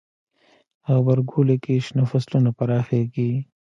غبرګولی کې شنه فصلونه پراخیږي.